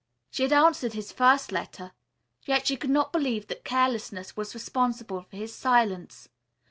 She had answered his first letter. Yet she could not believe that carelessness was responsible for his silence.